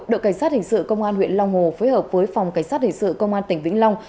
đội cảnh sát hình sự công an huyện long hồ phối hợp với phòng cảnh sát hình sự công an tỉnh vĩnh long